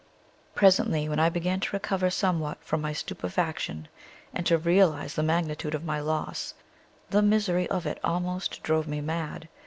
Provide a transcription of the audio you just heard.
Presently, when I began to recover somewhat from my stupefaction, and to realize the magnitude of my loss, the misery of it almost drove me mad.